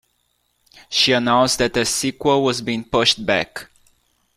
She announced that the sequel was being pushed back.